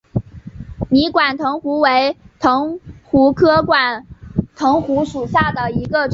泥管藤壶为藤壶科管藤壶属下的一个种。